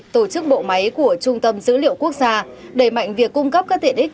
tổ chức bộ máy của trung tâm dữ liệu quốc gia đẩy mạnh việc cung cấp các tiện ích